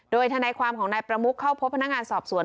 โดยทนายความของนายประมุกเข้าพบพนักงานสอบสวน